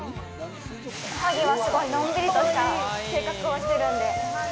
おはぎは、すごいのんびりとした性格をしてるんで。